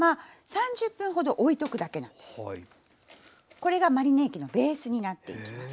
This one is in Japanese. これがマリネ液のベースになっていきます。